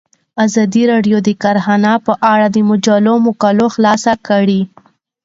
ازادي راډیو د کرهنه په اړه د مجلو مقالو خلاصه کړې.